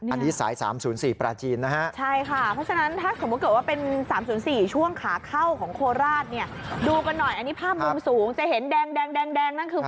อันนี้สาย๓๐๔ปราจีนนะฮะ